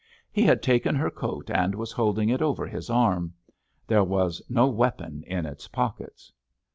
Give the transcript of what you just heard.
He had taken her coat, and was holding it over his arm. There was no weapon in its pockets.